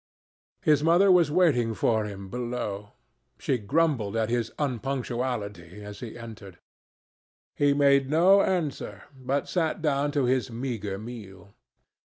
His mother was waiting for him below. She grumbled at his unpunctuality, as he entered. He made no answer, but sat down to his meagre meal.